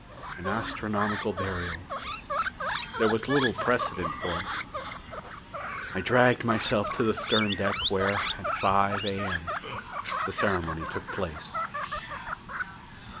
An astronomical burial there was little precedent for it. I dragged myself to the stern deck where, at five A.M., the ceremony took place.